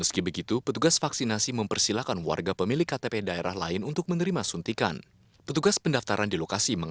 setuju dengan kebijakan pemerintah yang